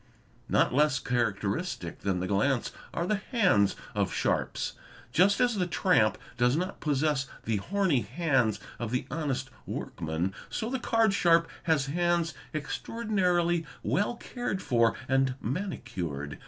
Not less characteristic than the glance are the hands of sharps. Just as the tramp does not possess the horny hands of the honest workman, _ so the card sharp has hands extraordinarily well cared for and manicured.